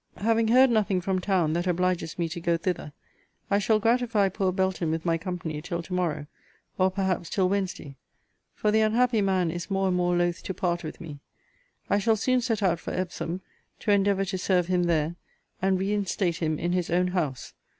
Having heard nothing from town that obliges me to go thither, I shall gratify poor Belton with my company till to morrow, or perhaps till Wednesday. For the unhappy man is more and more loth to part with me. I shall soon set out for Epsom, to endeavour to serve him there, and re instate him in his own house.